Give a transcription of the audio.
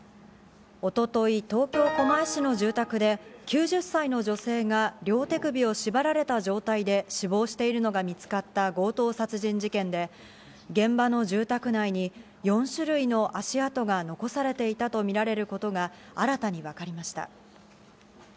一昨日、東京・狛江市の住宅で９０歳の女性が両手首をしばられた状態で死亡しているのが見つかった強盗殺人事件で、現場の住宅内に４種類の足跡が残されていたとみられることが新たに分かりました。